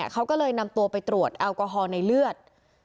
เขาก็เลยนำตัวไปตรวจแอลกอฮอล์ในเลือด